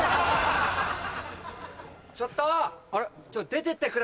ちょっと！